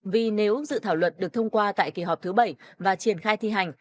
vì nếu dự thảo luật được thông qua tại kỳ họp thứ bảy và triển khai thi hành